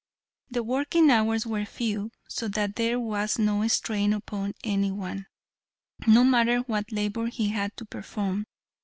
The working hours were few, so that there was no strain upon any one, no matter what labor he had to perform.